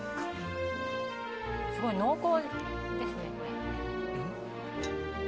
すごい濃厚ですね。